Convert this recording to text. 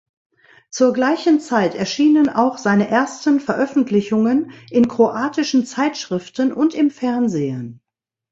Zur gleichen Zeit erschienen auch seine ersten Veröffentlichungen in kroatischen Zeitschriften und im Fernsehen.